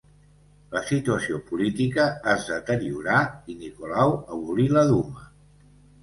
La situació política es deteriorà i Nicolau abolí la Duma.